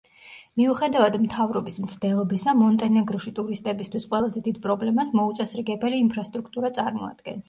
მიუხედავად მთავრობის მცდელობისა, მონტენეგროში ტურისტებისთვის ყველაზე დიდ პრობლემას მოუწესრიგებელი ინფრასტრუქტურა წარმოადგენს.